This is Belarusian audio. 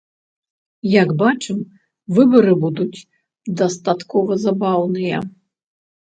Як бачым, выбары будуць дастаткова забаўныя.